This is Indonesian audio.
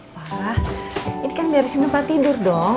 papa ini kan biar sini pak tidur dong